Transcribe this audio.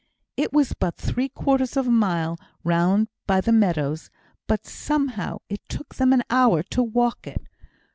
It was but three quarters of a mile round by the meadows, but somehow it took them an hour to walk it.